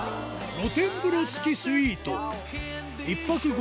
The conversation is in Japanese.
露天風呂付スイート。